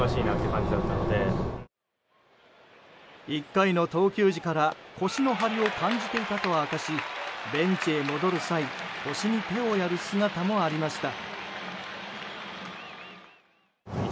１回の投球時から腰の張りを感じていたと明かしベンチに戻る際腰に手をやる姿もありました。